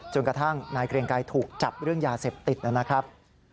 จนกระทั่งนายเกรียงไกรถูกจับเรื่องยาเสพติดนะครับ